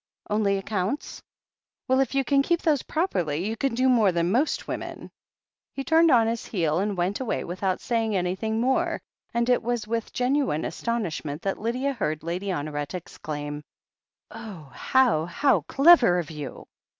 "Only accounts? Well, if you can keep those prop erly you can do more than most women." He turned on his heel and went away without saying an3rthing more, and it was with genuine astonishment that Lydia heard Lady Honoret exclaim: "Oh, how, how clever of you